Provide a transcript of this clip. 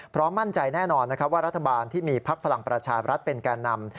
มั่นใจแน่นอนนะครับว่ารัฐบาลที่มีพักพลังประชาบรัฐเป็นแก่นำ